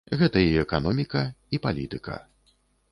Гэта і эканоміка, і палітыка.